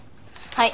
はい！